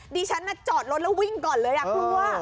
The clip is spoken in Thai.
ดิฉันจอดรถแล้ววิ่งก่อนเลยกลัว